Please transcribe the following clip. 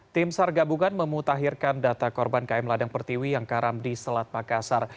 tim sargabungan memutahirkan data korban km ladang pertiwi yang karam di selat pakasar